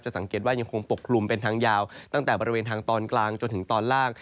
สังเกตว่ายังคงปกคลุมเป็นทางยาวตั้งแต่บริเวณทางตอนกลางจนถึงตอนล่าง